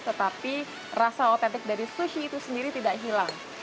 tetapi rasa otentik dari sushi itu sendiri tidak hilang